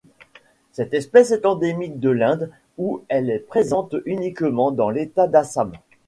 Cette espèce est endémique de l'Inde où elle est présente uniquement dans l'état d'Assam.